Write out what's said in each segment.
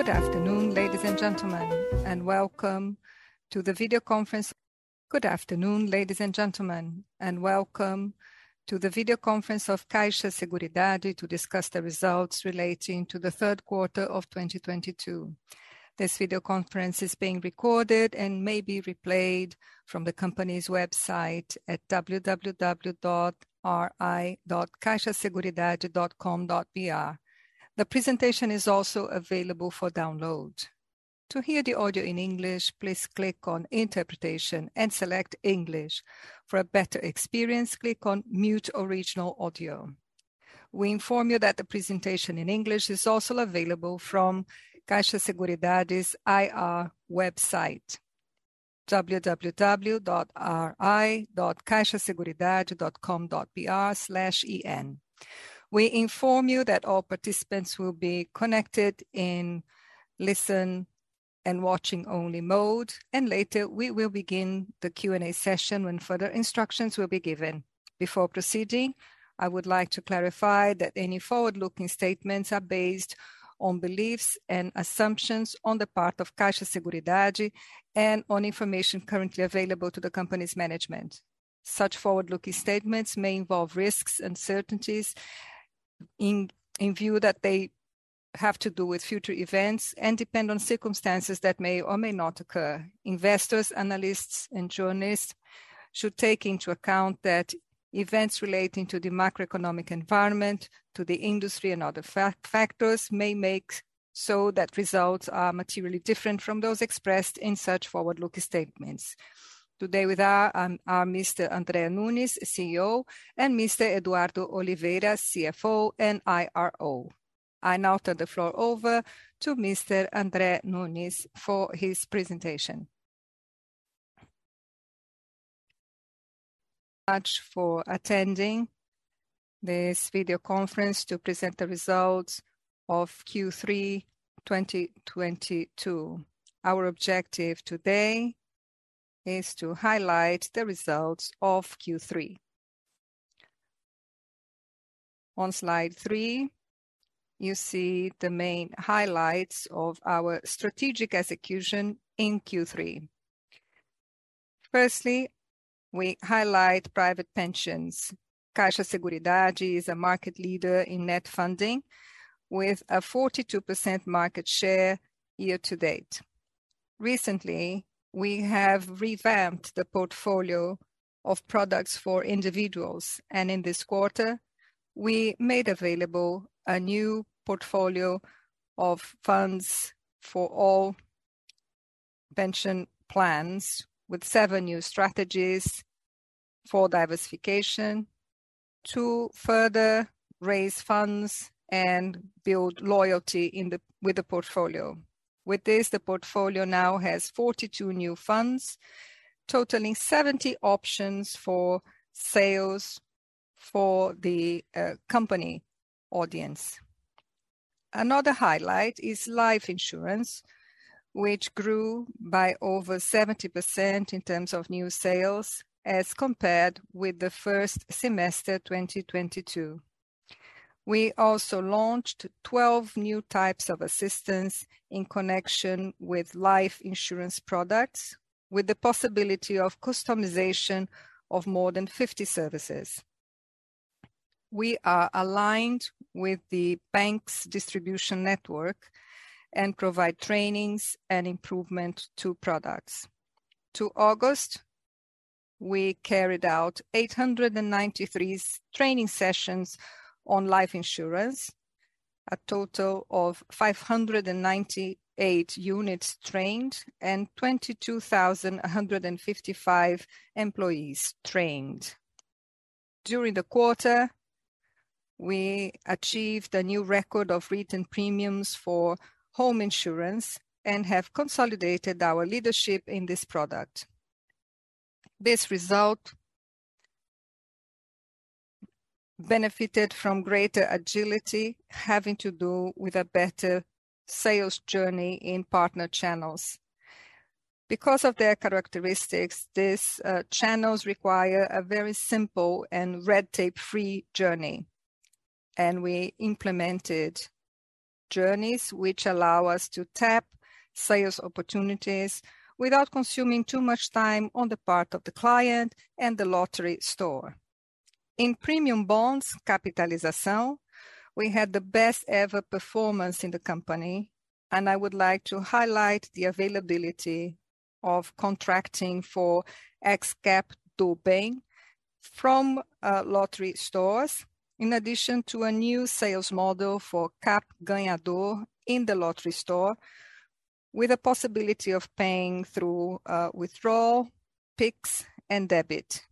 Good afternoon, ladies and gentlemen, and welcome to the video conference of Caixa Seguridade to discuss the results relating to the third quarter of 2022. This video conference is being recorded and may be replayed from the company's website at www.ri.caixaseguridade.com.br. The presentation is also available for download. To hear the audio in English, please click on Interpretation and select English. For a better experience, click on Mute Original Audio. We inform you that the presentation in English is also available from Caixa Seguridade's IR website, www.ri.caixaseguridade.com.br/en. We inform you that all participants will be connected in listen and watching only mode, and later we will begin the Q&A session when further instructions will be given. Before proceeding, I would like to clarify that any forward-looking statements are based on beliefs and assumptions on the part of Caixa Seguridade and on information currently available to the company's management. Such forward-looking statements may involve risks, uncertainties, in view that they have to do with future events and depend on circumstances that may or may not occur. Investors, analysts, and journalists should take into account that events relating to the macroeconomic environment, to the industry and other factors may make so that results are materially different from those expressed in such forward-looking statements. Today with us are Mr. André Nunes, CEO, and Mr. Eduardo Oliveira, CFO and IRO. I now turn the floor over to Mr. André Nunes for his presentation. Thank you for attending this video conference to present the results of Q3 2022. Our objective today is to highlight the results of Q3. On slide three, you see the main highlights of our strategic execution in Q3. Firstly, we highlight private pensions. Caixa Seguridade is a market leader in net funding with a 42% market share year-to-date. Recently, we have revamped the portfolio of products for individuals, and in this quarter, we made available a new portfolio of funds for all pension plans with seven new strategies for diversification to further raise funds and build loyalty with the portfolio. With this, the portfolio now has 42 new funds, totaling 70 options for sales for the company audience. Another highlight is life insurance, which grew by over 70% in terms of new sales as compared with the first semester, 2022. We also launched 12 new types of assistance in connection with life insurance products, with the possibility of customization of more than 50 services. We are aligned with the bank's distribution network and provide trainings and improvement to products. To August, we carried out 893 training sessions on life insurance, a total of 598 units trained and 22,155 employees trained. During the quarter, we achieved a new record of written premiums for home insurance and have consolidated our leadership in this product. This result benefited from greater agility having to do with a better sales journey in partner channels. Because of their characteristics, these channels require a very simple and red tape-free journey, and we implemented journeys which allow us to tap sales opportunities without consuming too much time on the part of the client and the lottery store. In premium bonds, Capitalização, we had the best-ever performance in the company. I would like to highlight the availability of contracting for X CAP do Bem from lottery stores, in addition to a new sales model for CAP Ganhador in the lottery store with a possibility of paying through withdrawal, Pix, and debit.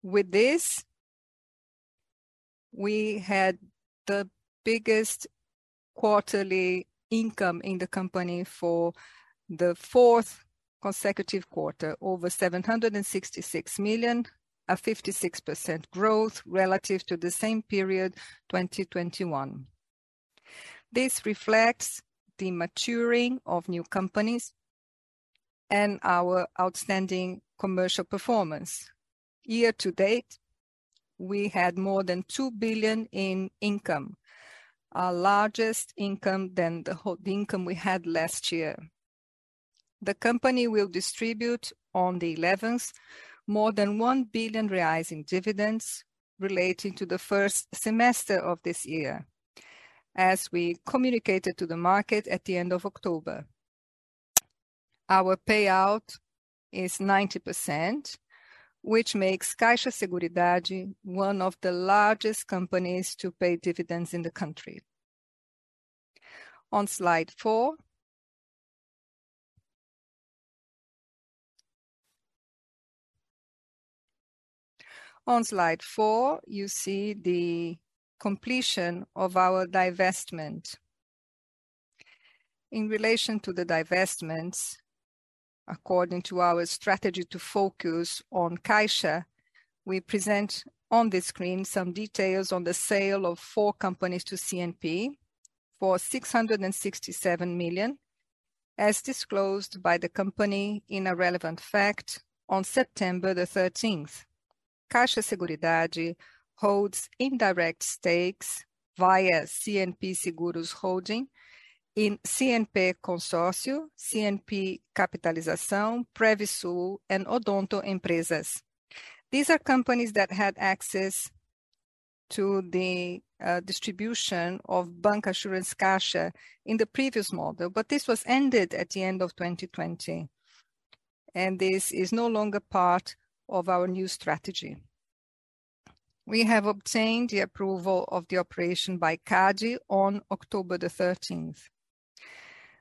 With this, we had the biggest quarterly income in the company for the fourth consecutive quarter, 766 million, a 56% growth relative to the same period 2021. This reflects the maturing of new companies and our outstanding commercial performance. year-to-date, we had more than 2 billion in income, our largest income than the income we had last year. The company will distribute on the 11th more than 1 billion reais in dividends relating to the first semester of this year. As we communicated to the market at the end of October, our payout is 90% which makes Caixa Seguridade one of the largest companies to pay dividends in the country. On slide four, you see the completion of our divestment. In relation to the divestments, according to our strategy to focus on Caixa, we present on this screen some details on the sale of four companies to CNP for 667 million, as disclosed by the Company in a relevant fact on September 13th. Caixa Seguridade holds indirect stakes via CNP Seguros Holding in CNP Consórcio, CNP Capitalização, Previsul, and Odonto Empresas. These are companies that had access to the distribution of bancassurance Caixa in the previous model, but this was ended at the end of 2020, and this is no longer part of our new strategy. We have obtained the approval of the operation by CADE on October the thirteenth.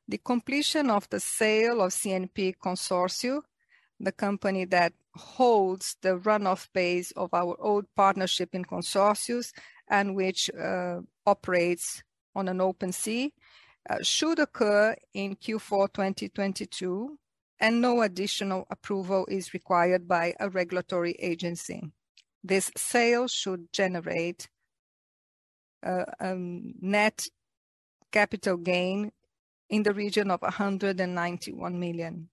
The completion of the sale of CNP Consórcio, the company that holds the run-off base of our old partnership in Consórcio, and which operates on an open basis, should occur in Q4 2022, and no additional approval is required by a regulatory agency. This sale should generate a net capital gain in the region of 191 million.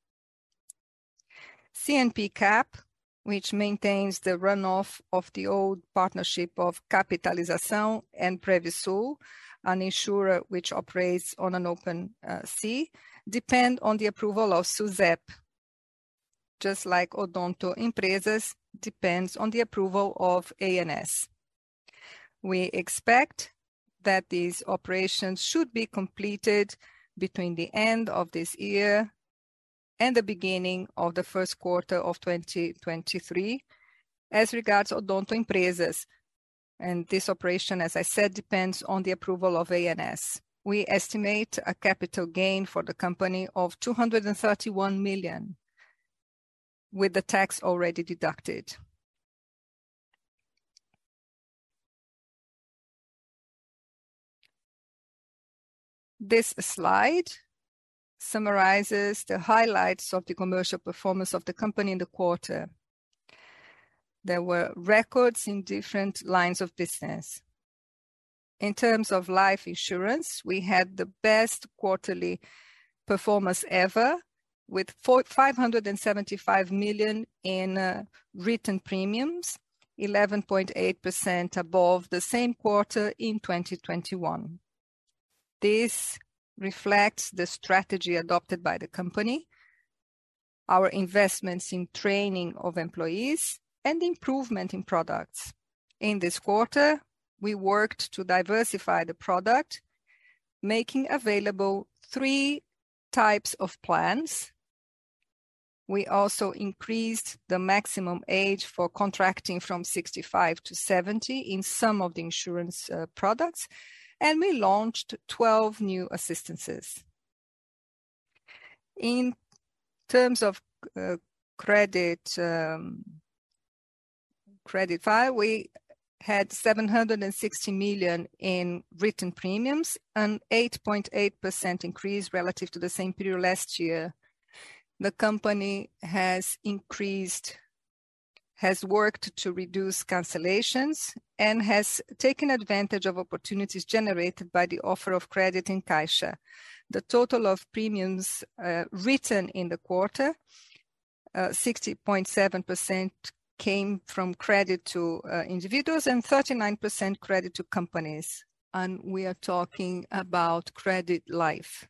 CNP Cap, which maintains the run-off of the old partnership of Capitalização and Previsul, an insurer which operates on an open basis, depend on the approval of SUSEP, just like Odonto Empresas depends on the approval of ANS. We expect that these operations should be completed between the end of this year and the beginning of the first quarter of 2023. As regards Odonto Empresas, and this operation, as I said, depends on the approval of ANS. We estimate a capital gain for the company of 231 million with the tax already deducted. This slide summarizes the highlights of the commercial performance of the company in the quarter. There were records in different lines of business. In terms of life insurance, we had the best quarterly performance ever with 575 million in written premiums, 11.8% above the same quarter in 2021. This reflects the strategy adopted by the company, our investments in training of employees, and improvement in products. In this quarter, we worked to diversify the product, making available three types of plans. We also increased the maximum age for contracting from 65 to 70 in some of the insurance products, and we launched 12 new assistances. In terms of credit life, we had 760 million in written premiums, an 8.8% increase relative to the same period last year. The company has worked to reduce cancellations and has taken advantage of opportunities generated by the offer of credit in Caixa. The total of premiums written in the quarter, 60.7% came from credit to individuals and 39% credit to companies, and we are talking about credit life.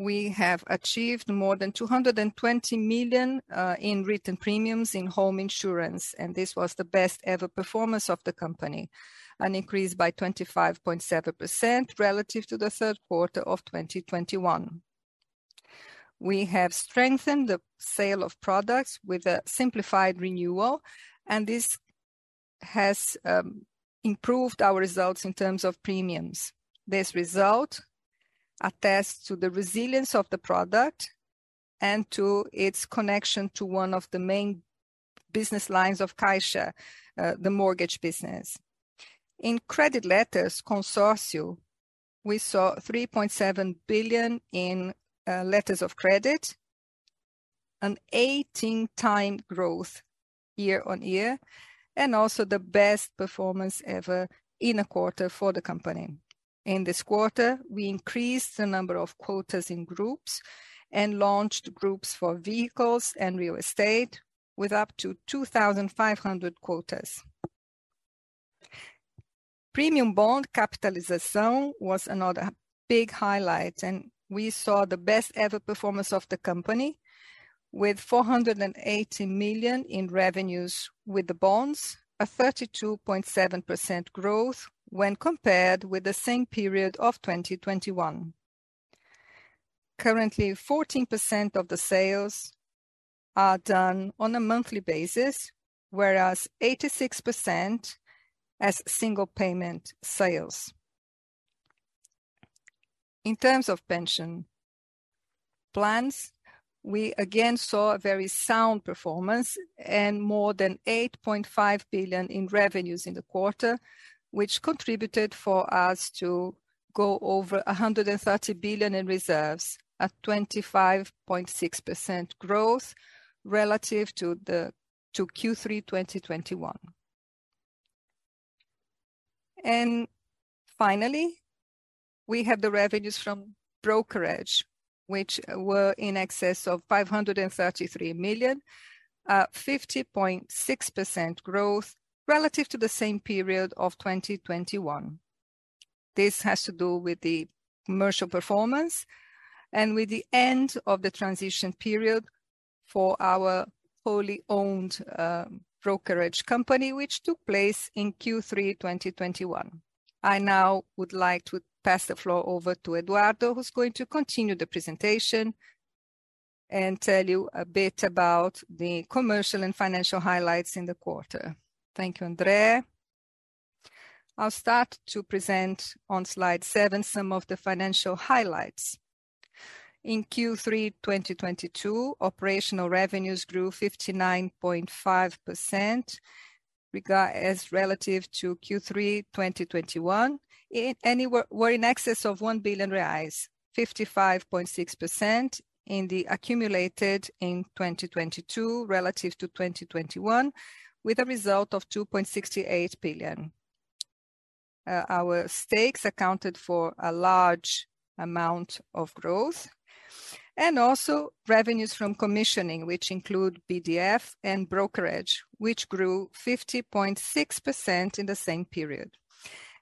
We have achieved more than 220 million in written premiums in home insurance, and this was the best ever performance of the company, an increase by 25.7% relative to the third quarter of 2021. We have strengthened the sale of products with a simplified renewal, and this has improved our results in terms of premiums. This result attests to the resilience of the product and to its connection to one of the main business lines of Caixa, the mortgage business. In credit letters Consórcio, we saw 3.7 billion in letters of credit. An 18x growth year-on-year, and also the best performance ever in a quarter for the company. In this quarter, we increased the number of quotas in groups and launched groups for vehicles and real estate with up to 2,500 quotas. Premium bond Capitalização was another big highlight, and we saw the best ever performance of the company with 480 million in revenues with the bonds, a 32.7% growth when compared with the same period of 2021. Currently, 14% of the sales are done on a monthly basis, whereas 86% as single payment sales. In terms of pension plans, we again saw a very sound performance and more than 8.5 billion in revenues in the quarter, which contributed for us to go over 130 billion in reserves at 25.6% growth relative to Q3 2021. Finally, we have the revenues from brokerage, which were in excess of 533 million, 50.6% growth relative to the same period of 2021. This has to do with the commercial performance and with the end of the transition period for our fully owned brokerage company, which took place in Q3 2021. I now would like to pass the floor over to Eduardo, who's going to continue the presentation and tell you a bit about the commercial and financial highlights in the quarter. Thank you, André. I'll start to present on slide seven some of the financial highlights. In Q3 2022, operational revenues grew 59.5% relative to Q3 2021. They were in excess of 1 billion reais, 55.6% in the accumulated in 2022 relative to 2021, with a result of 2.68 billion. Our stakes accounted for a large amount of growth and also revenues from commissioning, which include BDF and brokerage, which grew 50.6% in the same period.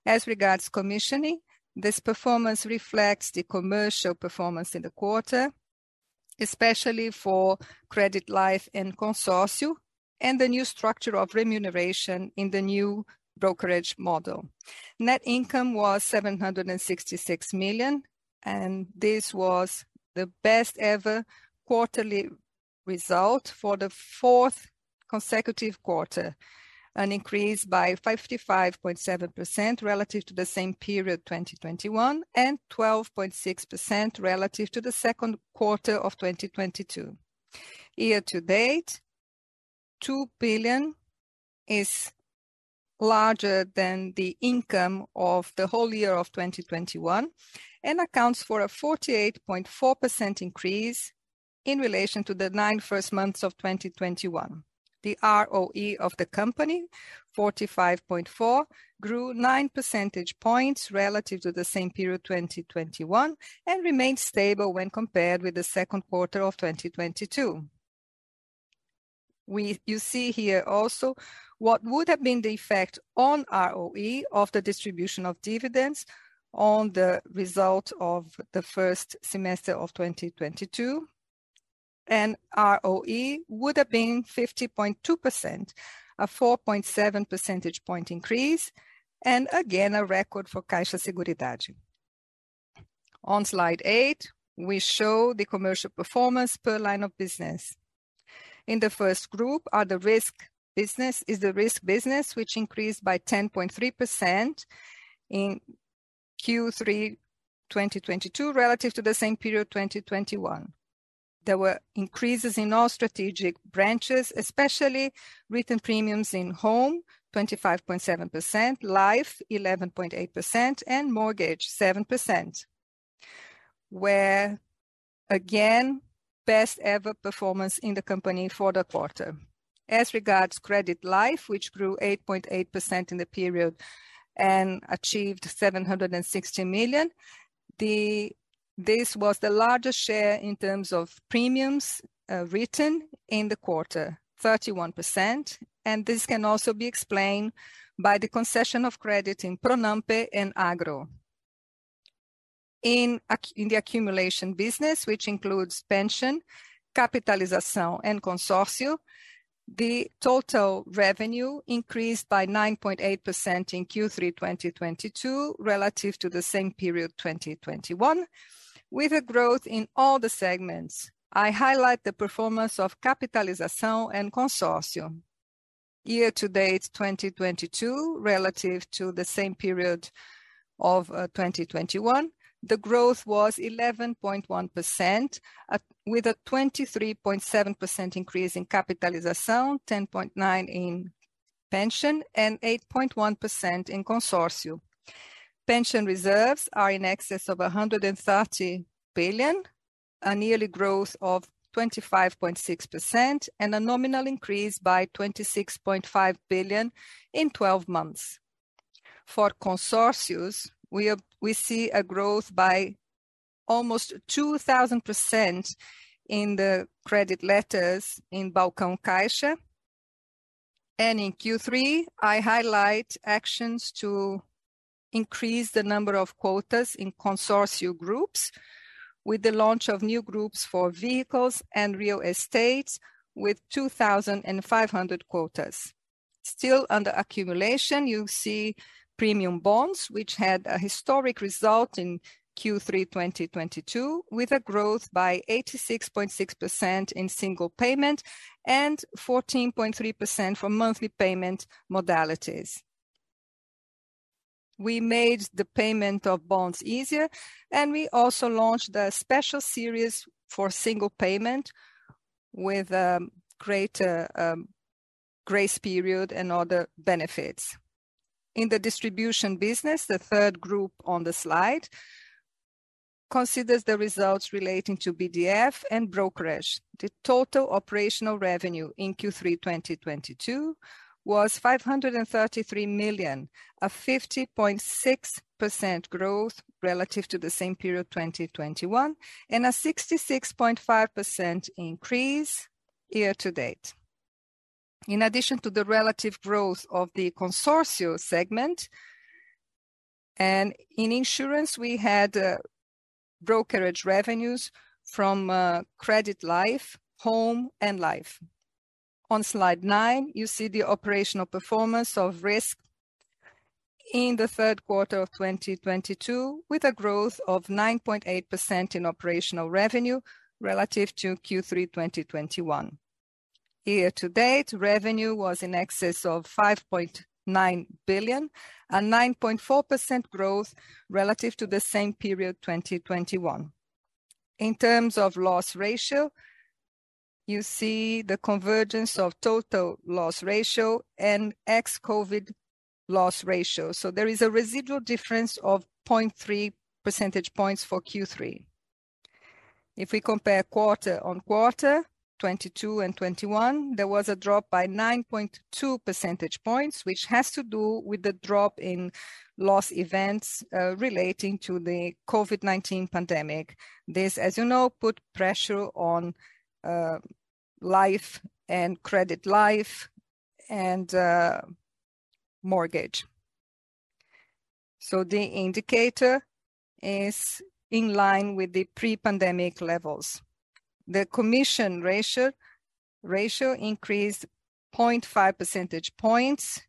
As regards commissioning, this performance reflects the commercial performance in the quarter, especially for credit life and Consórcio, and the new structure of remuneration in the new brokerage model. Net income was 766 million, and this was the best ever quarterly result for the fourth consecutive quarter, an increase by 55.7% relative to the same period, 2021, and 12.6% relative to the second quarter of 2022. year-to-date, BRL 2 billion is larger than the income of the whole year of 2021 and accounts for a 48.4% increase in relation to the first nine months of 2021. The ROE of the company, 45.4%, grew nine percentage points relative to the same period, 2021, and remained stable when compared with the second quarter of 2022. You see here also what would have been the effect on ROE of the distribution of dividends on the result of the first semester of 2022, and ROE would have been 50.2%, a 4.7 percentage point increase, and again, a record for Caixa Seguridade. On slide eight, we show the commercial performance per line of business. In the first group are the risk business, which increased by 10.3% in Q3 2022 relative to the same period, 2021. There were increases in all strategic branches, especially written premiums in home, 25.7%, life, 11.8%, and mortgage, 7%. We're again, best ever performance in the company for the quarter. As regards credit life, which grew 8.8% in the period and achieved 760 million, this was the largest share in terms of premiums written in the quarter, 31%, and this can also be explained by the concession of credit in Pronampe and Agro. In the accumulation business, which includes Pension, Capitalização and Consórcio, the total revenue increased by 9.8% in Q3 2022 relative to the same period, 2021, with a growth in all the segments. I highlight the performance of Capitalização and Consórcio. year-to-date 2022 relative to the same period of 2021, the growth was 11.1%, with a 23.7% increase in Capitalização, 10.9% in Pension and 8.1% in Consórcio. Pension reserves are in excess of 130 billion, a yearly growth of 25.6% and a nominal increase by 26.5 billion in twelve months. For Consórcios, we see a growth by almost 2,000% in the credit letters in Balcão Caixa. In Q3, I highlight actions to increase the number of quotas in Consórcio groups with the launch of new groups for vehicles and real estate with 2,500 quotas. Still under accumulation, you see premium bonds, which had a historic result in Q3 2022, with a growth by 86.6% in single payment and 14.3% for monthly payment modalities. We made the payment of bonds easier, and we also launched a special series for single payment with greater grace period and other benefits. In the distribution business, the third group on the slide, considers the results relating to BDF and brokerage. The total operational revenue in Q3 2022 was 533 million, a 50.6% growth relative to the same period, 2021, and a 66.5% increase year-to-date. In addition to the relative growth of the Consórcio segment, and in insurance, we had brokerage revenues from credit life, home and life. On slide nine, you see the operational performance of risk in the third quarter of 2022 with a growth of 9.8% in operational revenue relative to Q3 2021. year-to-date, revenue was in excess of 5.9 billion, a 9.4% growth relative to the same period, 2021. In terms of loss ratio, you see the convergence of total loss ratio and ex-COVID loss ratio. There is a residual difference of 0.3 percentage points for Q3. If we compare quarter-on-quarter, 2022 and 2021, there was a drop by 9.2 percentage points, which has to do with the drop in loss events relating to the COVID-19 pandemic. This, as you know, put pressure on life and credit life and mortgage. The indicator is in line with the pre-pandemic levels. The commission ratio increased 0.5 percentage points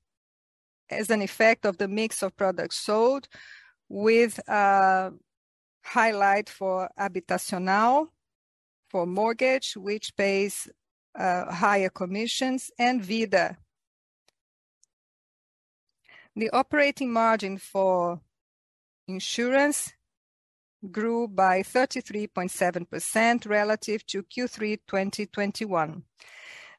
as an effect of the mix of products sold with highlight for Habitacional, for mortgage, which pays higher commissions and Vida. The operating margin for insurance grew by 33.7% relative to Q3 2021.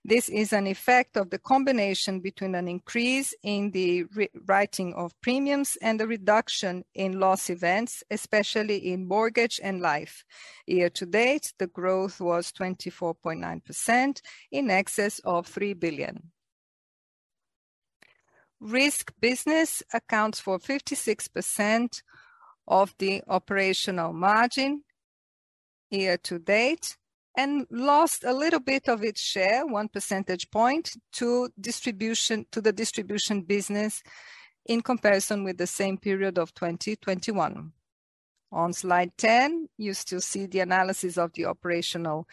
This is an effect of the combination between an increase in the writing of premiums and the reduction in loss events, especially in mortgage and life. Year-to-date, the growth was 24.9%, in excess of 3 billion. Risk business accounts for 56% of the operational margin year-to-date, and lost a little bit of its share, 1 percentage point to the distribution business in comparison with the same period of 2021. On slide 10, you still see the analysis of the operational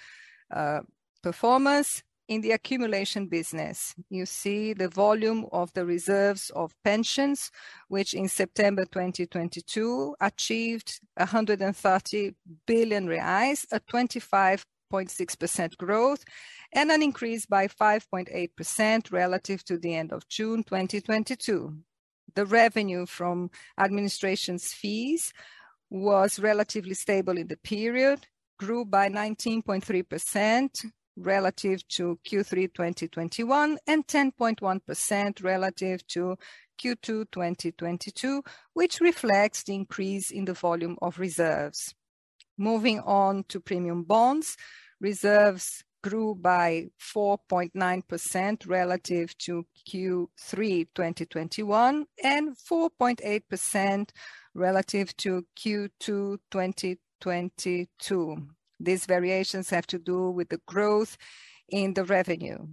performance in the accumulation business. You see the volume of the reserves of pensions, which in September 2022 achieved 130 billion reais at 25.6% growth and an increase by 5.8% relative to the end of June 2022. The revenue from administration's fees was relatively stable in the period, grew by 19.3% relative to Q3 2021, and 10.1% relative to Q2 2022, which reflects the increase in the volume of reserves. Moving on to premium bonds, reserves grew by 4.9% relative to Q3 2021, and 4.8% relative to Q2 2022. These variations have to do with the growth in the revenue.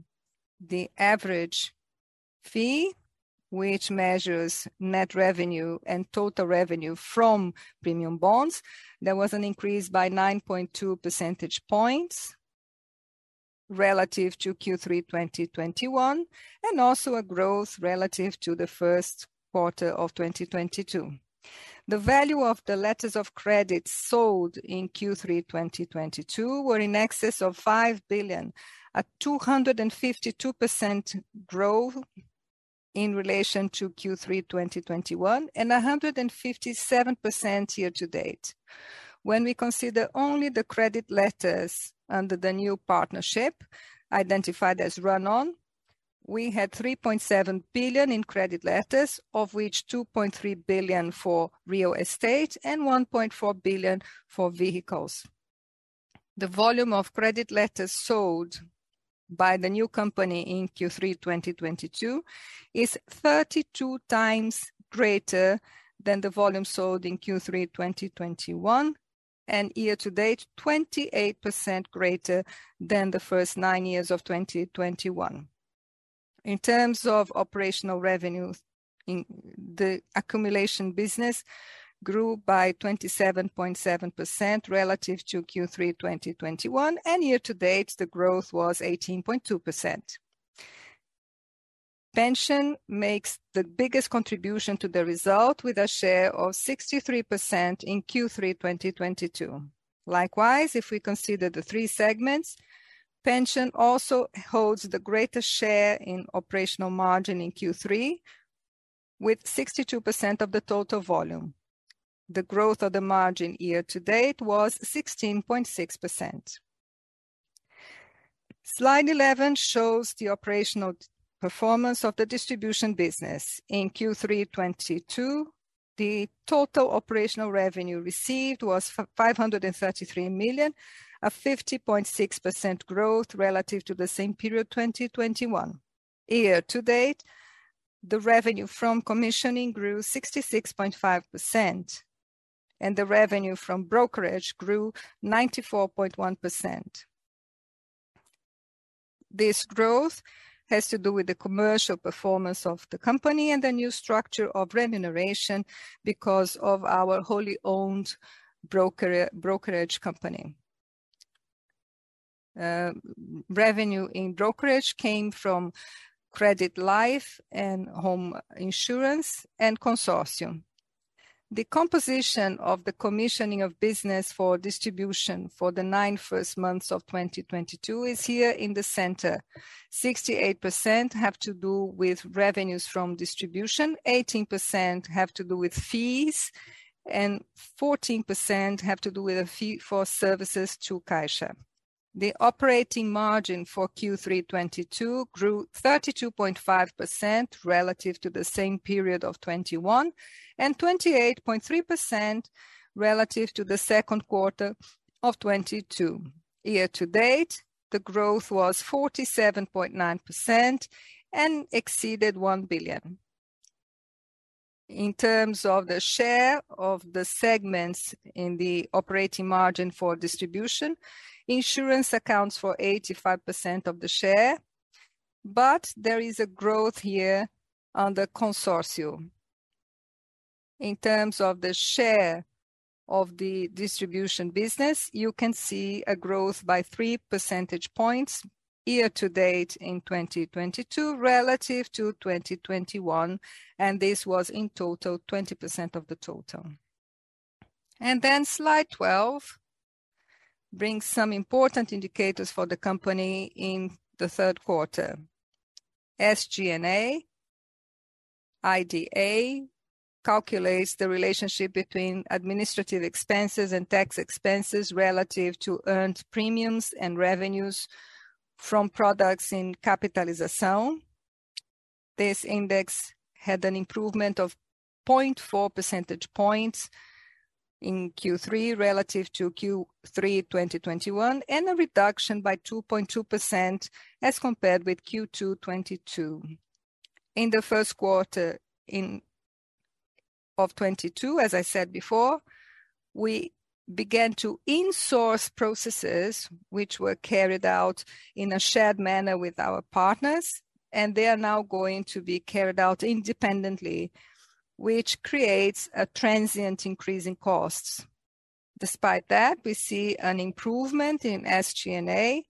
The average fee, which measures net revenue and total revenue from premium bonds, there was an increase by 9.2 percentage points relative to Q3 2021, and also a growth relative to the first quarter of 2022. The value of the letters of credit sold in Q3 2022 were in excess of 5 billion, a 252% growth in relation to Q3 2021, and a 157% year-to-date. When we consider only the credit letters under the new partnership identified as run-off. We had 3.7 billion in credit letters, of which 2.3 billion for real estate and 1.4 billion for vehicles. The volume of credit letters sold by the new company in Q3 2022 is 32x greater than the volume sold in Q3 2021, and year-to-date, 28% greater than the first nine months of 2021. In terms of operational revenues in the capitalization business grew by 27.7% relative to Q3 2021, and year-to-date, the growth was 18.2%. Pension makes the biggest contribution to the result, with a share of 63% in Q3 2022. Likewise, if we consider the three segments, pension also holds the greatest share in operational margin in Q3, with 62% of the total volume. The growth of the margin year-to-date was 16.6%. Slide 11 shows the operational performance of the distribution business. In Q3 2022, the total operational revenue received was 533 million, a 50.6% growth relative to the same period 2021. Year-to-date, the revenue from commissions grew 66.5%, and the revenue from brokerage grew 94.1%. This growth has to do with the commercial performance of the company and the new structure of remuneration because of our wholly owned brokerage company. Revenue in brokerage came from credit life and home insurance and Consórcio. The composition of the commission on business for distribution for the first nine months of 2022 is here in the center. 68% have to do with revenues from distribution, 18% have to do with fees, and 14% have to do with a fee for services to Caixa. The operating margin for Q3 2022 grew 32.5% relative to the same period of 2021, and 28.3% relative to the second quarter of 2022. Year-to-date, the growth was 47.9% and exceeded 1 billion. In terms of the share of the segments in the operating margin for distribution, insurance accounts for 85% of the share, but there is a growth here on the Consórcio. In terms of the share of the distribution business, you can see a growth by 3 percentage points year-to-date in 2022 relative to 2021, and this was in total 20% of the total. Slide 12 brings some important indicators for the company in the third quarter. SG&A, IDA calculates the relationship between administrative expenses and tax expenses relative to earned premiums and revenues from products in Capitalização. This index had an improvement of 0.4 percentage points in Q3 relative to Q3 2021, and a reduction by 2.2% as compared with Q2 2022. In the first quarter of 2022, as I said before, we began to insource processes which were carried out in a shared manner with our partners, and they are now going to be carried out independently, which creates a transient increase in costs. Despite that, we see an improvement in SG&A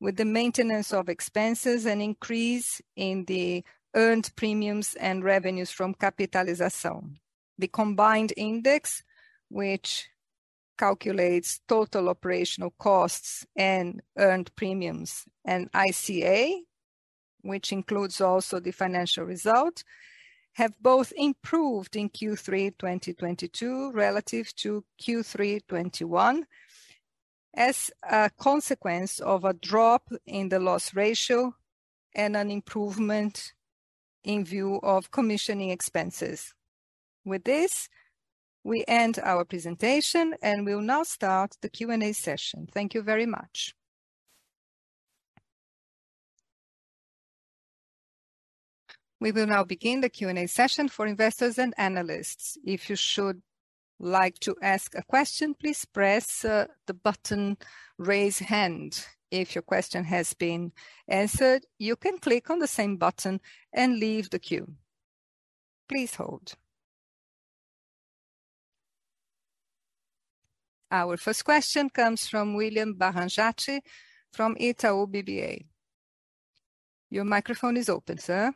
with the maintenance of expenses and increase in the earned premiums and revenues from Capitalização. The combined ratio, which calculates total operational costs and earned premiums, and ICA, which includes also the financial result, have both improved in Q3 2022 relative to Q3 2021 as a consequence of a drop in the loss ratio and an improvement in commission expenses. With this, we end our presentation, and we'll now start the Q&A session. Thank you very much. We will now begin the Q&A session for investors and analysts. If you should like to ask a question, please press the button, Raise Hand. If your question has been answered, you can click on the same button and leave the queue. Please hold. Our first question comes from William Barranjard from Itaú BBA. Your microphone is open, sir.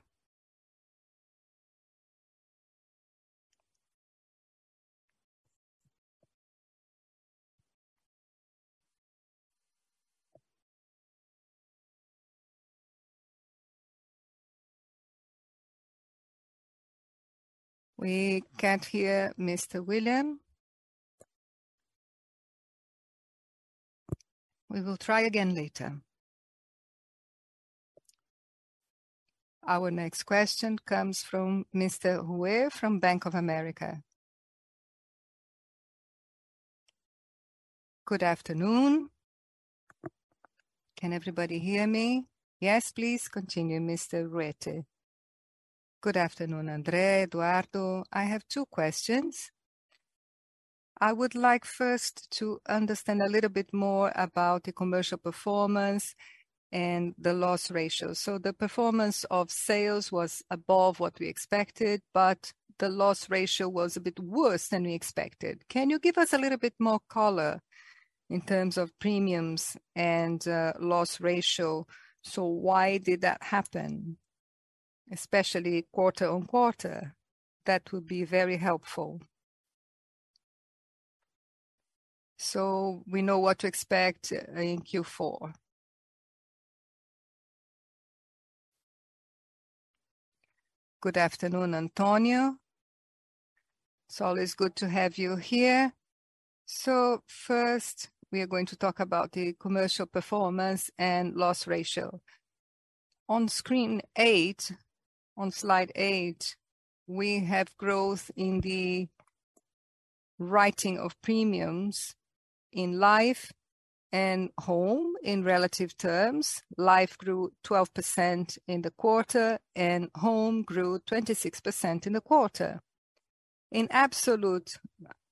We can't hear Mr. William. We will try again later. Our next question comes from Mr. Ruette from Bank of America. Good afternoon. Can everybody hear me? Yes, please continue, Mr. Ruette. Good afternoon, André, Eduardo Oliveira. I have two questions. I would like first to understand a little bit more about the commercial performance and the loss ratio. The performance of sales was above what we expected, but the loss ratio was a bit worse than we expected. Can you give us a little bit more color in terms of premiums and loss ratio? Why did that happen, especially quarter-on-quarter? That would be very helpful, so we know what to expect in Q4. Good afternoon, Antonio. It's always good to have you here. First we are going to talk about the commercial performance and loss ratio. On screen eight, on slide eight, we have growth in the writing of premiums in life and home in relative terms. Life grew 12% in the quarter, and home grew 26% in the quarter. In absolute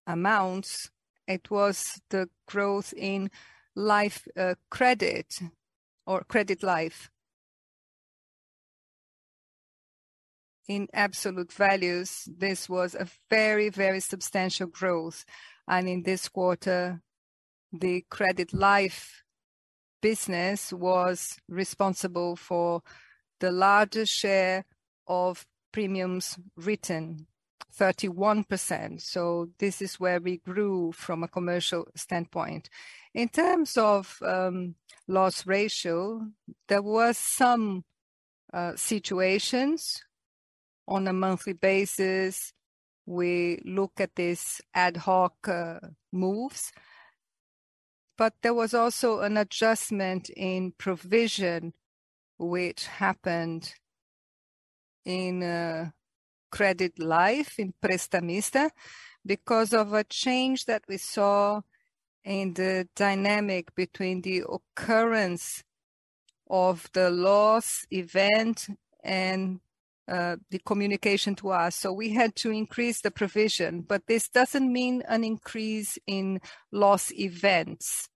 amounts, it was the growth in life, credit or credit life. In absolute values, this was a very, very substantial growth, and in this quarter, the credit life business was responsible for the largest share of premiums written, 31%, so this is where we grew from a commercial standpoint. In terms of loss ratio, there was some situations. On a monthly basis, we look at these ad hoc moves, but there was also an adjustment in provision which happened in credit life, in Prestamista, because of a change that we saw in the dynamic between the occurrence of the loss event and the communication to us. We had to increase the provision, but this doesn't mean an increase in loss events.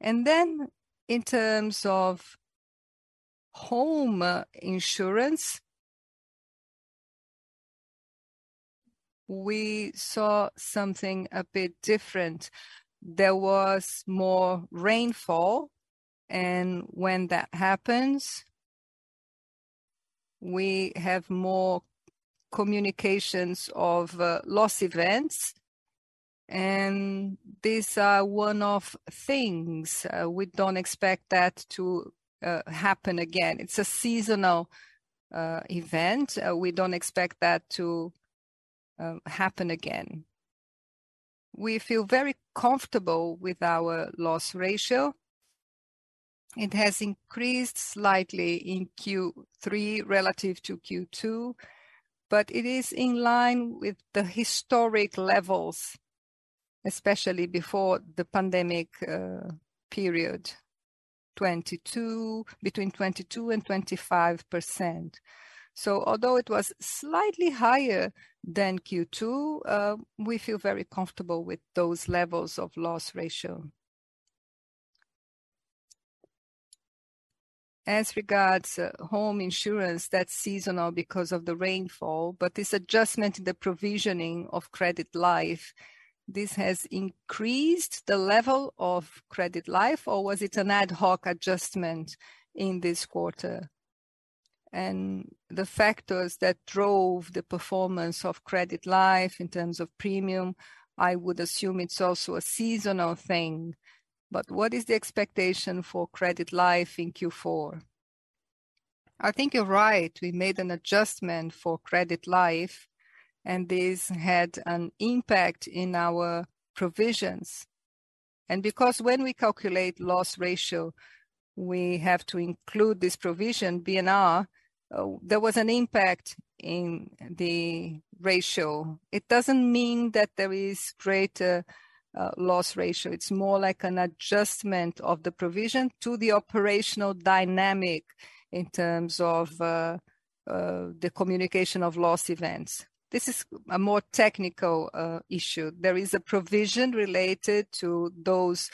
In terms of home insurance, we saw something a bit different. There was more rainfall, and when that happens, we have more communications of loss events, and these are one-off things. We don't expect that to happen again. It's a seasonal event. We feel very comfortable with our loss ratio. It has increased slightly in Q3 relative to Q2, but it is in line with the historic levels, especially before the pandemic period, 22%-25%. Although it was slightly higher than Q2, we feel very comfortable with those levels of loss ratio. As regards home insurance, that's seasonal because of the rainfall, but this adjustment in the provisioning of credit life, this has increased the level of credit life, or was it an ad hoc adjustment in this quarter? The factors that drove the performance of credit life in terms of premium, I would assume it's also a seasonal thing, but what is the expectation for credit life in Q4? I think you're right. We made an adjustment for credit life, and this had an impact in our provisions. Because when we calculate loss ratio, we have to include this provision, IBNR, there was an impact in the ratio. It doesn't mean that there is greater loss ratio. It's more like an adjustment of the provision to the operational dynamic in terms of the communication of loss events. This is a more technical issue. There is a provision related to those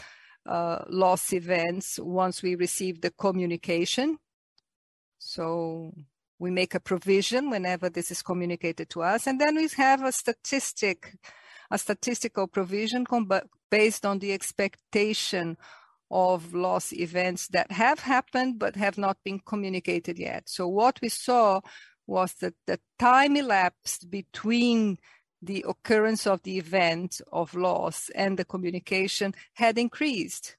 loss events once we receive the communication. We make a provision whenever this is communicated to us, and then we have a statistical provision based on the expectation of loss events that have happened but have not been communicated yet. What we saw was that the time elapsed between the occurrence of the event of loss and the communication had increased.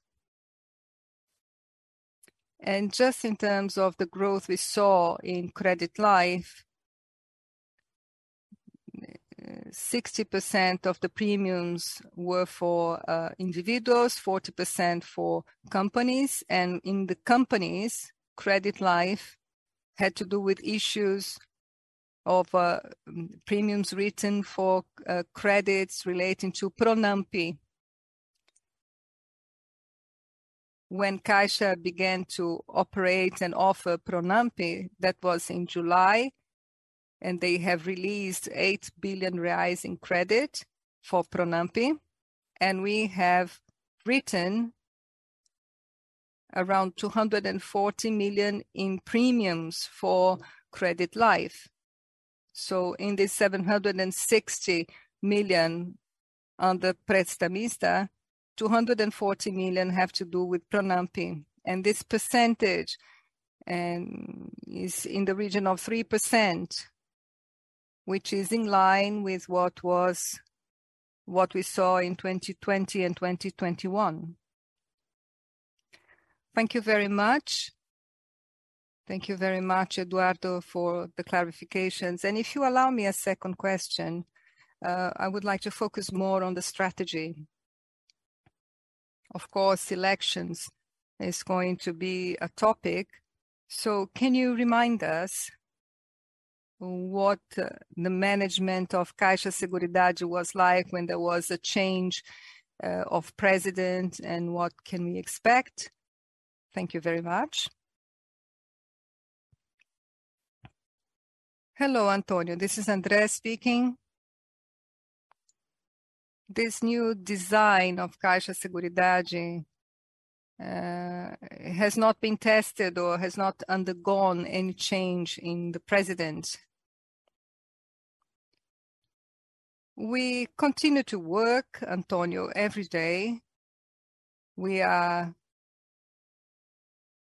Just in terms of the growth we saw in credit life, 60% of the premiums were for individuals, 40% for companies. In the companies, credit life had to do with issues of premiums written for credits relating to Pronampe. When Caixa began to operate and offer Pronampe, that was in July, and they have released 8 billion reais in credit for Pronampe, and we have written around 240 million in premiums for credit life. In the 760 million under Prestamista, 240 million have to do with Pronampe. This percentage is in the region of 3%, which is in line with what we saw in 2020 and 2021. Thank you very much. Thank you very much, Eduardo, for the clarifications. If you allow me a second question, I would like to focus more on the strategy. Of course, elections is going to be a topic, so can you remind us what the management of Caixa Seguridade was like when there was a change of president and what can we expect? Thank you very much. Hello, Antonio. This is André speaking. This new design of Caixa Seguridade has not been tested or has not undergone any change in the president. We continue to work, Antonio, every day. We are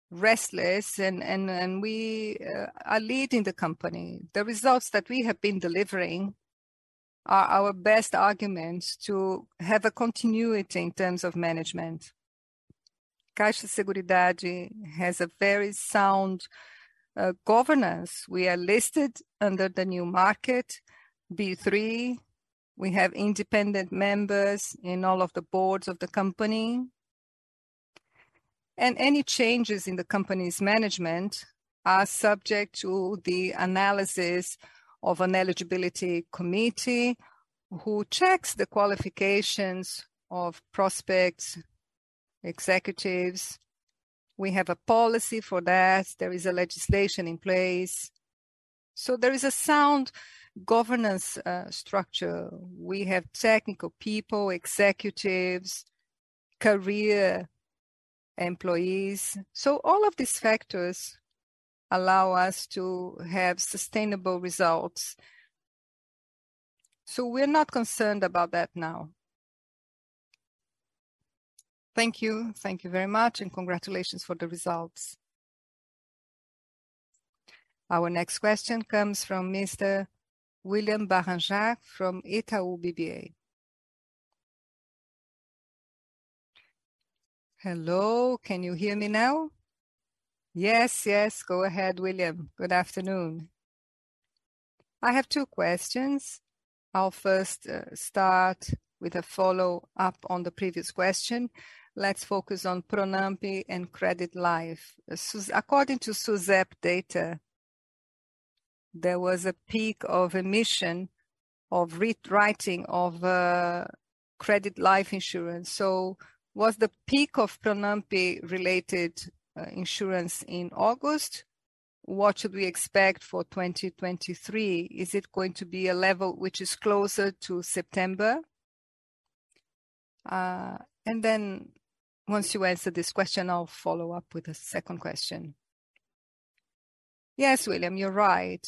restless and we are leading the company. The results that we have been delivering are our best arguments to have a continuity in terms of management. Caixa Seguridade has a very sound governance. We are listed under the Novo Mercado, B3. We have independent members in all of the boards of the company. Any changes in the company's management are subject to the analysis of an eligibility committee who checks the qualifications of prospects, executives. We have a policy for that. There is a legislation in place. There is a sound governance structure. We have technical people, executives, career employees. All of these factors allow us to have sustainable results. We're not concerned about that now. Thank you. Thank you very much, and congratulations for the results. Our next question comes from Mr. William Barranjard from Itaú BBA. Hello, can you hear me now? Yes, yes. Go ahead, William. Good afternoon. I have two questions. I'll first start with a follow-up on the previous question. Let's focus on Pronampe and credit life. According to SUSEP data, there was a peak of emission of writing of credit life insurance. Was the peak of Pronampe-related insurance in August? What should we expect for 2023? Is it going to be a level which is closer to September? And then once you answer this question, I'll follow up with a second question. Yes, William, you're right.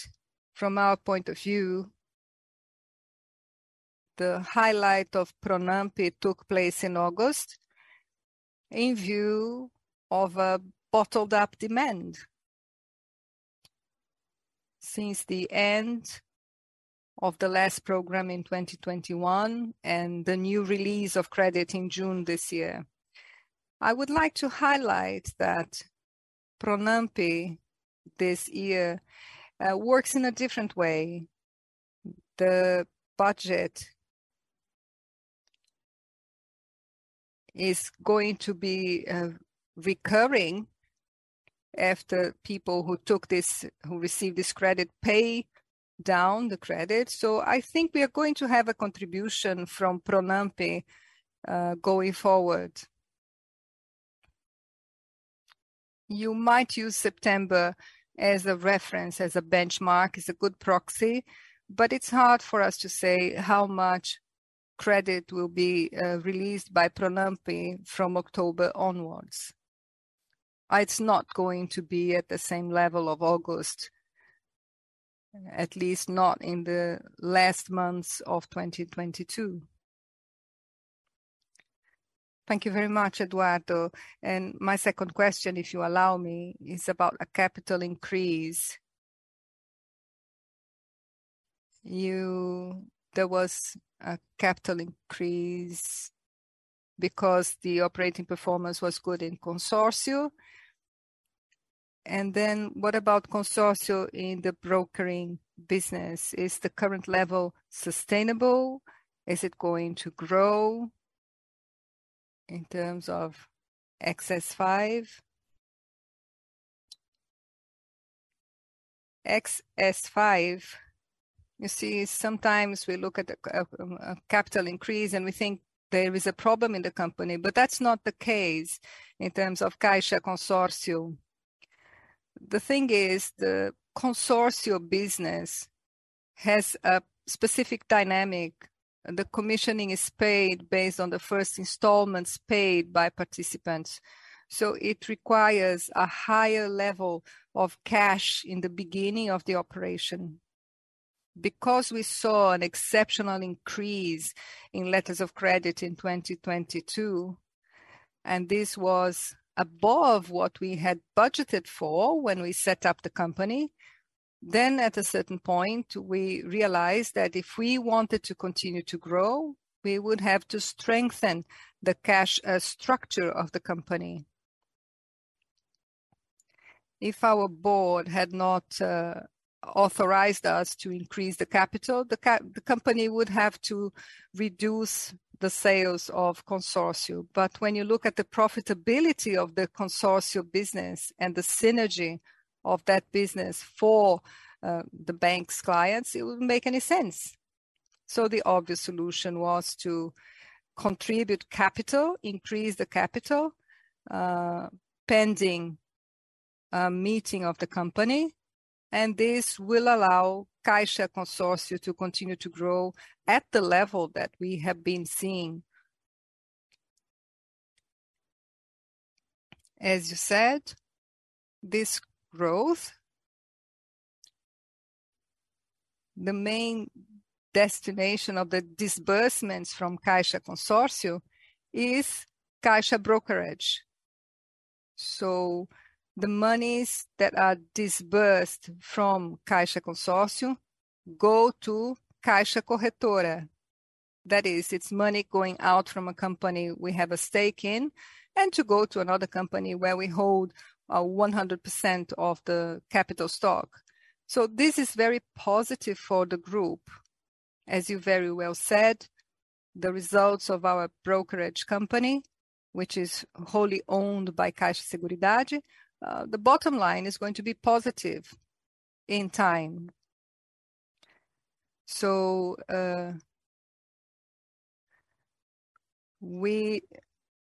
From our point of view, the highlight of Pronampe took place in August in view of a bottled-up demand since the end of the last program in 2021 and the new release of credit in June this year. I would like to highlight that Pronampe this year works in a different way. The budget is going to be recurring after people who received this credit pay down the credit. I think we are going to have a contribution from Pronampe going forward. You might use September as a reference, as a benchmark, as a good proxy, but it's hard for us to say how much credit will be released by Pronampe from October onwards. It's not going to be at the same level of August, at least not in the last months of 2022. Thank you very much, Eduardo. My second question, if you allow me, is about a capital increase. There was a capital increase because the operating performance was good in Consórcio. Then what about Consórcio in the brokering business, is the current level sustainable? Is it going to grow in terms of XS5? XS5, you see, sometimes we look at the capital increase, and we think there is a problem in the company, but that's not the case in terms of Caixa Consórcio. The thing is, the Consórcio business has a specific dynamic. The commissioning is paid based on the first installments paid by participants, so it requires a higher level of cash in the beginning of the operation. Because we saw an exceptional increase in letters of credit in 2022, and this was above what we had budgeted for when we set up the company, then at a certain point we realized that if we wanted to continue to grow, we would have to strengthen the cash structure of the company. If our board had not authorized us to increase the capital, the company would have to reduce the sales of Consórcio. When you look at the profitability of the Consórcio business and the synergy of that business for the bank's clients, it wouldn't make any sense. The obvious solution was to contribute capital, increase the capital, pending a meeting of the company, and this will allow Caixa Consórcio to continue to grow at the level that we have been seeing. As you said, this growth, the main destination of the disbursements from Caixa Consórcio is Caixa Brokerage. The monies that are disbursed from Caixa Consórcio go to Caixa Corretora. That is, it's money going out from a company we have a stake in and to go to another company where we hold 100% of the capital stock. This is very positive for the group. As you very well said, the results of our brokerage company, which is wholly owned by Caixa Seguridade, the bottom line is going to be positive in time. We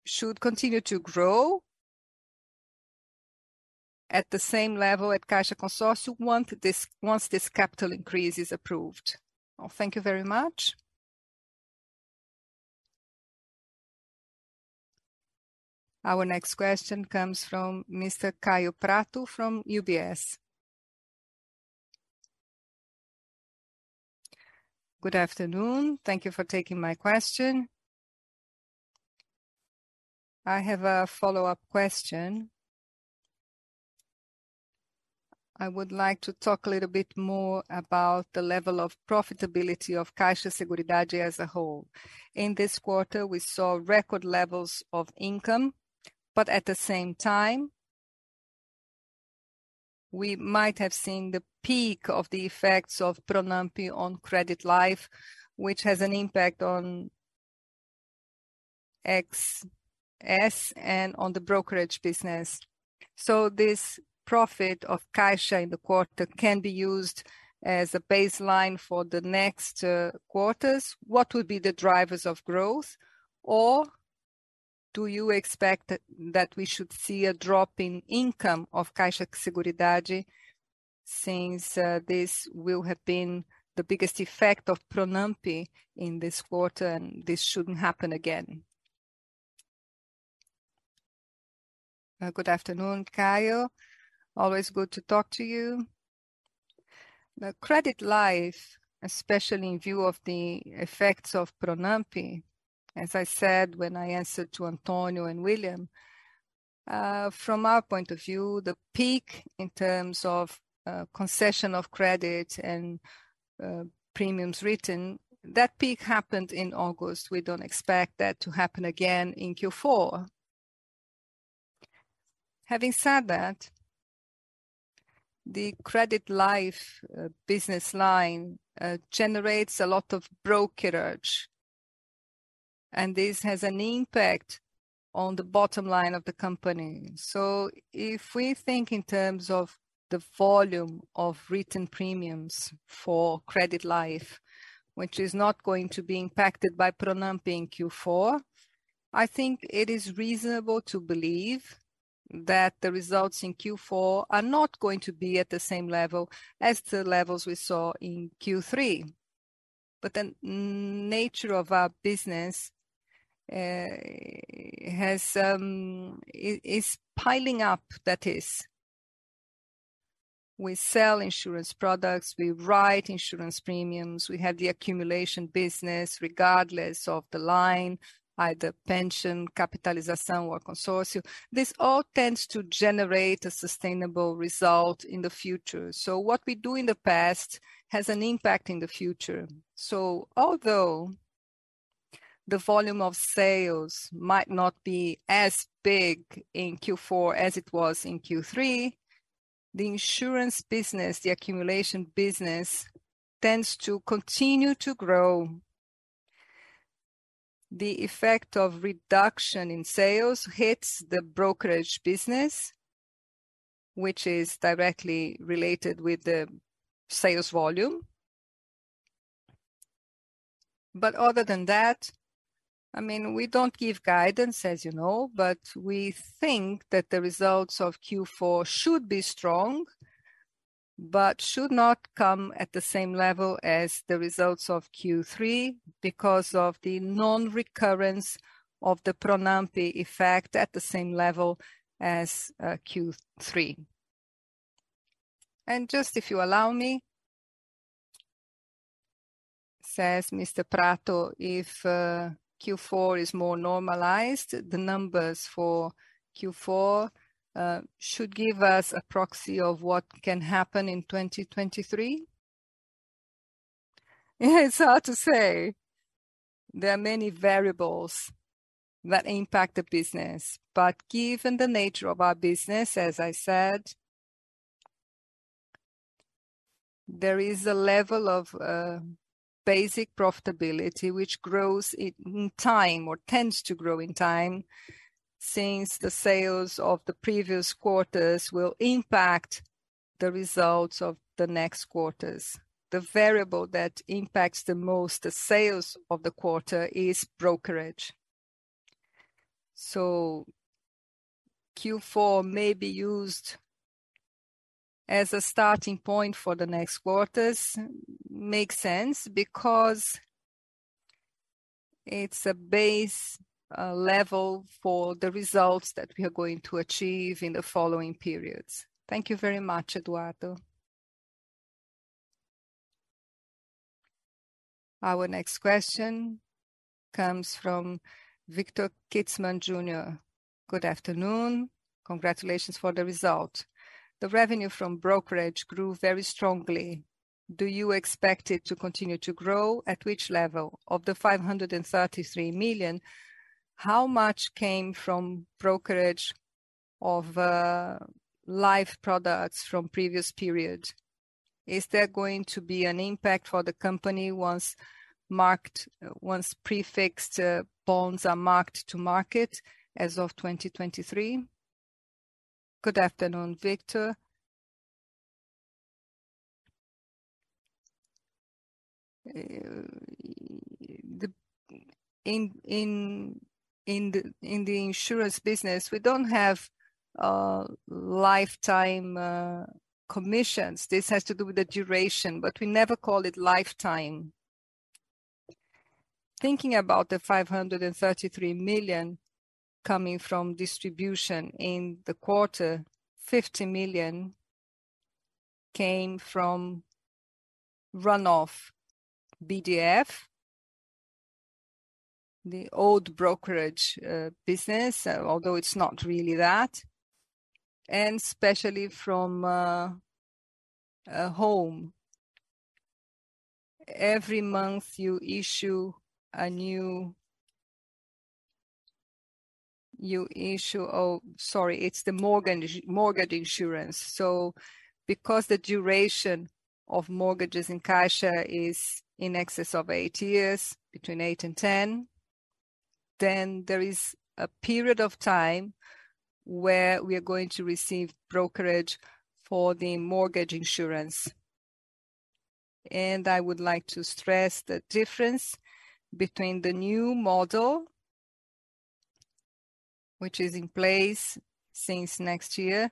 should continue to grow at the same level at Caixa Consórcio once this capital increase is approved. Oh, thank you very much. Our next question comes from Mr. Kaio Prato from UBS. Good afternoon. Thank you for taking my question. I have a follow-up question. I would like to talk a little bit more about the level of profitability of Caixa Seguridade as a whole. In this quarter, we saw record levels of income, but at the same time, we might have seen the peak of the effects of Pronampe on credit life, which has an impact on XS and on the brokerage business. This profit of Caixa in the quarter can be used as a baseline for the next quarters. What would be the drivers of growth, or do you expect that we should see a drop in income of Caixa Seguridade since this will have been the biggest effect of Pronampe in this quarter, and this shouldn't happen again? Good afternoon, Kaio. Always good to talk to you. The credit life, especially in view of the effects of Pronampe, as I said when I answered to Antonio and William, from our point of view, the peak in terms of concession of credit and premiums written, that peak happened in August. We don't expect that to happen again in Q4. Having said that, the credit life business line generates a lot of brokerage, and this has an impact on the bottom line of the company. If we think in terms of the volume of written premiums for credit life, which is not going to be impacted by Pronampe in Q4, I think it is reasonable to believe that the results in Q4 are not going to be at the same level as the levels we saw in Q3. The nature of our business is piling up, that is. We sell insurance products. We write insurance premiums. We have the accumulation business regardless of the line, either pension, Capitalização or Consórcio. This all tends to generate a sustainable result in the future. What we do in the past has an impact in the future. Although the volume of sales might not be as big in Q4 as it was in Q3. The insurance business, the accumulation business tends to continue to grow. The effect of reduction in sales hits the brokerage business, which is directly related with the sales volume. Other than that, I mean, we don't give guidance, as you know, but we think that the results of Q4 should be strong but should not come at the same level as the results of Q3 because of the non-recurrence of the Pronampe effect at the same level as Q3. Just if you allow me says Mr. Prato, if Q4 is more normalized, the numbers for Q4 should give us a proxy of what can happen in 2023? It's hard to say. There are many variables that impact the business. Given the nature of our business, as I said, there is a level of basic profitability which grows in time or tends to grow in time since the sales of the previous quarters will impact the results of the next quarters. The variable that impacts the most the sales of the quarter is brokerage. Q4 may be used as a starting point for the next quarters. Makes sense because it's a base level for the results that we are going to achieve in the following periods. Thank you very much, Eduardo. Our next question comes from Victor Kietzmann Jr. Good afternoon. Congratulations for the result. The revenue from brokerage grew very strongly. Do you expect it to continue to grow? At which level? Of the 533 million, how much came from brokerage of life products from previous period? Is there going to be an impact for the company once marked, once prefixed, bonds are marked to market as of 2023? Good afternoon, Victor. In the insurance business, we don't have lifetime commissions. This has to do with the duration, but we never call it lifetime. Thinking about the 533 million coming from distribution in the quarter, 50 million came from run-off BDF, the old brokerage business, although it's not really that, and especially from home. It's the mortgage insurance. Because the duration of mortgages in Caixa is in excess of eight years, between eight and 10, there is a period of time where we are going to receive brokerage for the mortgage insurance. I would like to stress the difference between the new model, which is in place since next year,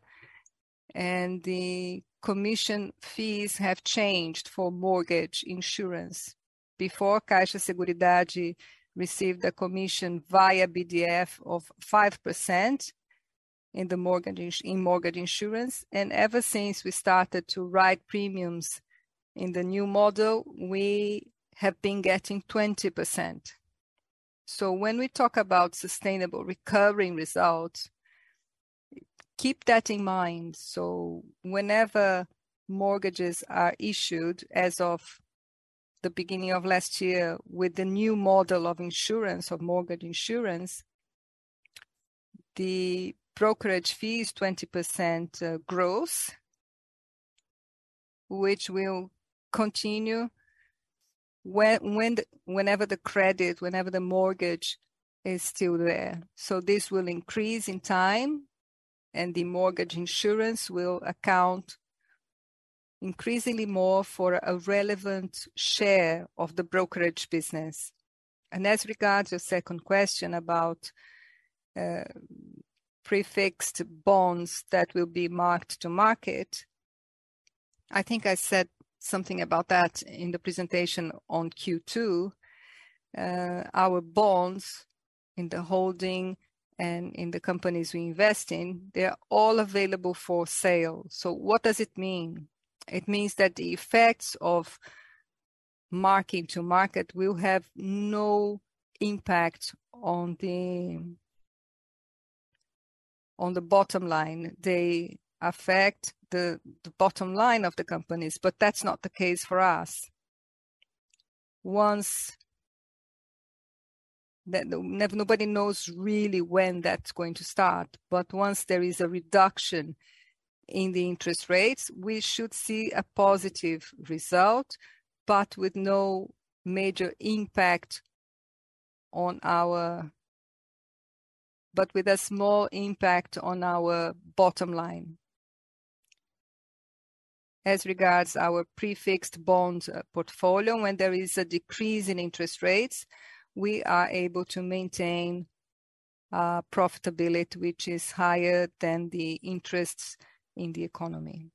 and the commission fees have changed for mortgage insurance. Before, Caixa Seguridade received a commission via BDF of 5% in mortgage insurance, and ever since we started to write premiums in the new model, we have been getting 20%. When we talk about sustainable recurring results, keep that in mind. Whenever mortgages are issued as of the beginning of last year with the new model of insurance, of mortgage insurance, the brokerage fee is 20% gross, which will continue whenever the mortgage is still there. This will increase in time, and the mortgage insurance will account increasingly more for a relevant share of the brokerage business. As regards your second question about fixed bonds that will be marked-to-market, I think I said something about that in the presentation on Q2. Our bonds in the holding and in the companies we invest in, they're all available for sale. What does it mean? It means that the effects of marking to market will have no impact on the bottom line. They affect the bottom line of the companies, but that's not the case for us. Once that nobody knows really when that's going to start, but once there is a reduction in the interest rates, we should see a positive result with a small impact on our bottom line. As regards our prefixed bonds portfolio, when there is a decrease in interest rates, we are able to maintain profitability which is higher than the interests in the economy.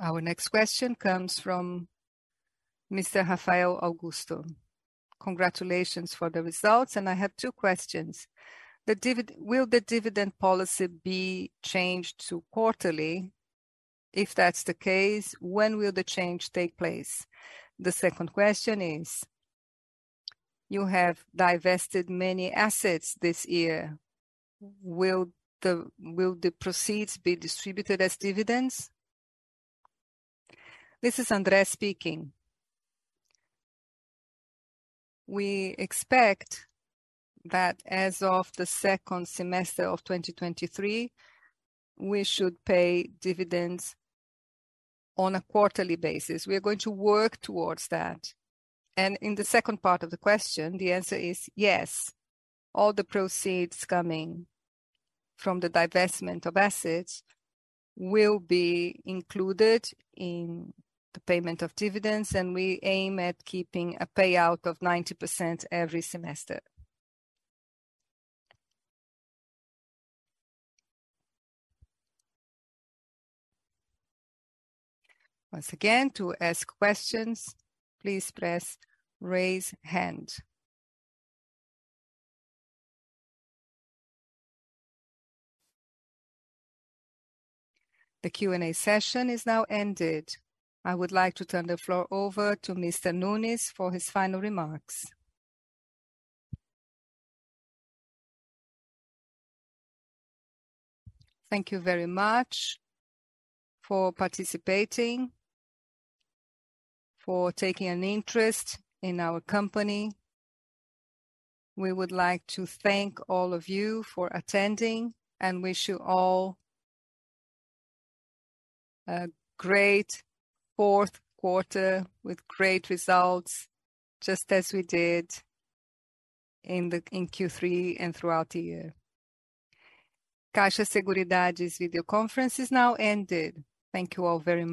Our next question comes from Mr. Rafael Augusto. Congratulations for the results, and I have two questions. Will the dividend policy be changed to quarterly? If that's the case, when will the change take place? The second question is, you have divested many assets this year. Will the proceeds be distributed as dividends? This is André speaking. We expect that as of the second semester of 2023, we should pay dividends on a quarterly basis. We are going to work towards that. In the second part of the question, the answer is yes. All the proceeds coming from the divestment of assets will be included in the payment of dividends, and we aim at keeping a payout of 90% every semester. Once again, to ask questions, please press raise hand. The Q&A session is now ended. I would like to turn the floor over to Mr. Nunes for his final remarks. Thank you very much for participating, for taking an interest in our company. We would like to thank all of you for attending and wish you all a great fourth quarter with great results, just as we did in Q3 and throughout the year. Caixa Seguridade's video conference is now ended. Thank you all very much.